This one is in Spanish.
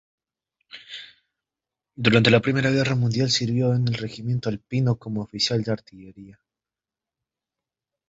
Durante la Primera Guerra Mundial sirvió en el regimiento alpino como oficial de artillería.